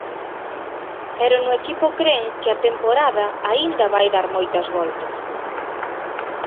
Pero no equipo cren que a temporada aínda vai dar moitas voltas.